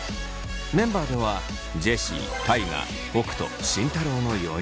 メンバーではジェシー大我北斗慎太郎の４人。